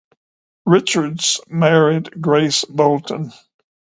Richards married Grace Bolton.